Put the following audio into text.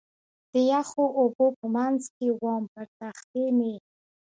د یخو اوبو په منځ کې ووم، پر تختې مې.